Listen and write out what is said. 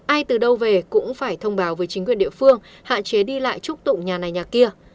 ai từ đâu về cũng phải thông báo với chính quyền địa phương hạn chế đi lại trúc tụng nhà này nhà kia